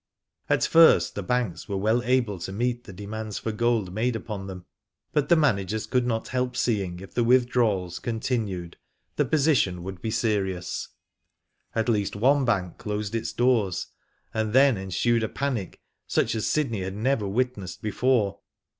At first the banks were well able to meet the demands for gold made upon' them, but the managers could not help seeing if the withdrawals continued the position would be serious. At last one bank closed its doors, aad then ensued a panic, such as Sydney had pever wit nessed before.